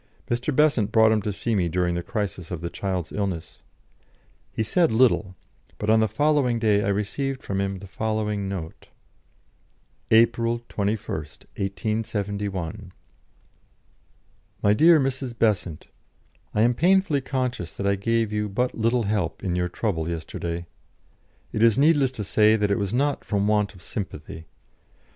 Mr. Besant brought him to see me during the crisis of the child's illness; he said little, but on the following day I received from him the following note: "April 21, 1871. "My Dear Mrs. Besant, I am painfully conscious that I gave you but little help in your trouble yesterday. It is needless to say that it was not from want of sympathy.